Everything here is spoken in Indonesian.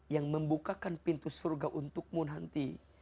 yang membukakan pintu surga untukmu nanti